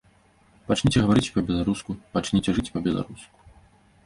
Пачніце гаварыць па-беларуску, пачніце жыць па-беларуску.